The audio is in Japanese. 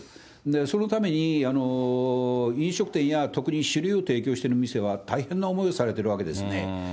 そのために、飲食店や特に酒類を提供している店は、大変な思いをされてるわけですね。